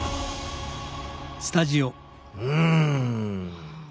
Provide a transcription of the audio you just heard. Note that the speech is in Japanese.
うん！